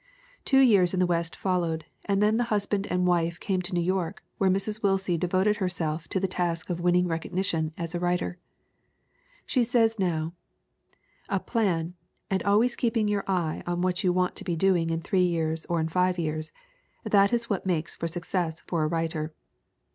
The two years in the West followed and then the husband and wife came to New York where Mrs. Willsie devoted herself to the task of winning recog nition as a writer. She says now: "A plan, and always keeping your eye on what you want to be doing in three years or in five years that is what makes for success for a writer.